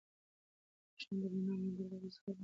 د برېښنا د رڼا موندلو وروسته خلک اوږده وخت ویښ پاتې کېږي.